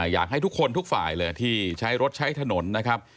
อยากให้ทุกคนทุกฝ่ายเลยที่ใช้รถใช้ถนนนะครับ